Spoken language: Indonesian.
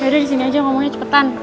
yaudah disini aja ngomongnya cepetan